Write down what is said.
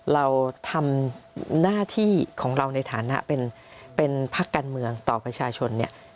เราทำหน้าที่ของเราในฐานะเป็นพักการเมืองต่อประชาชนเนี่ย